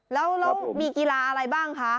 แล้วมีกีฬาอะไรบ้างคะ